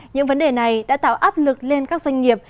những vấn đề này đã tạo áp lực lên các doanh nghiệp